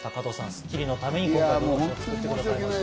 『スッキリ』のために作ってくださいました。